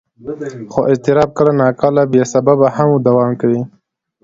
خو اضطراب کله ناکله بې سببه هم دوام کوي.